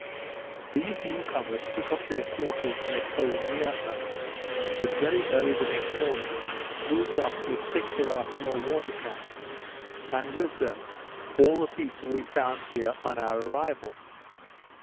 These newcomers took up their quarters in a cove near us; but very early the next morning moved off with six of our small water casks; and with them all the people we found here on our arrival.